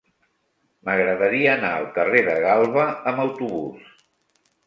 M'agradaria anar al carrer de Galba amb autobús.